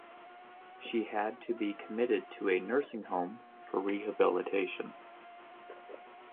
She had to be committed to a nursing home for rehabilitation.